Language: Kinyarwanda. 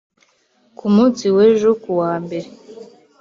Ku munsi w’ejo ku wa mbere,